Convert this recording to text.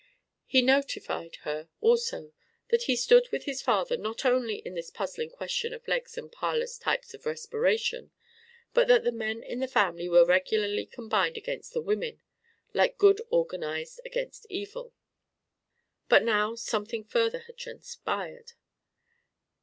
He notified her also that he stood with his father not only in this puzzling question of legs and parlous types of respiration, but that the men in the family were regularly combined against the women like good organized against evil! But now something further had transpired.